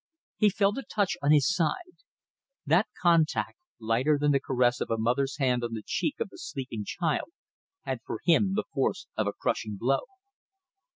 He felt a touch on his side. That contact, lighter than the caress of a mother's hand on the cheek of a sleeping child, had for him the force of a crushing blow.